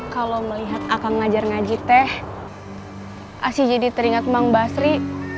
kalau melihat akang ngajar ngaji teh asyik jadi teringat mang basri